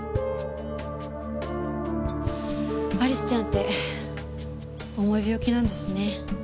アリスちゃんって重い病気なんですね。